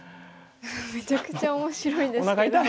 めちゃくちゃ面白いですけど。